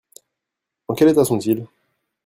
En quel état sont-ils ?